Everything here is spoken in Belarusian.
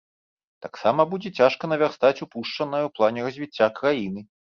Таксама будзе цяжка навярстаць упушчанае ў плане развіцця краіны.